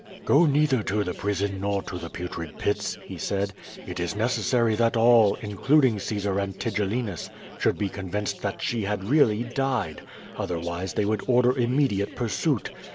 "Go neither to the prison nor to the Tutrid Pits,' " he said. "It is necessary that all, including Caesar and Tigellinus, should be convinced that she had really died, otherwise they would order immediate pursuit.